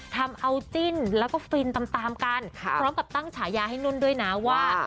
ทำเอาจิ้นแล้วก็ฟินตามตามกันพร้อมกับตั้งฉายาให้นุ่นด้วยนะว่า